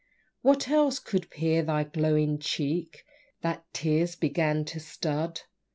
What else could peer thy glowing cheek, That tears began to stud?